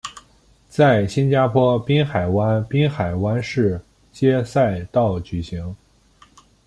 在新加坡滨海湾滨海湾市街赛道举行。